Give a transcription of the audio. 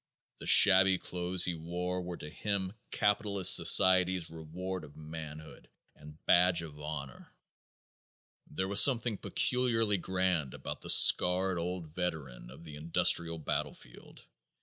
The shabby clothes he wore were to him capitalist society's reward of manhood and badge of honor. There was something peculiarly grand about the scarred old veteran of the industrial battlefield.